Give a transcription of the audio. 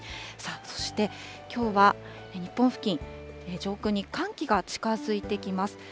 そしてきょうは日本付近、上空に寒気が近づいてきます。